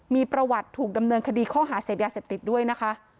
มีประวัติถูกดำเนินคดีข้อหาเสพยาเสพติดด้วยนะคะ